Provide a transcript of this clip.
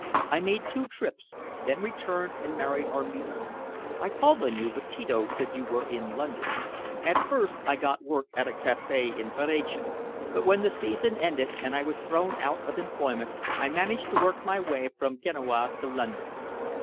I made two trips, then returned and married Armida. I called on you, but Tito said you were in London. At first I got work at a café in Viareggio, but when the season ended, and I was thrown out of employment, I managed to work my way from Genoa to London.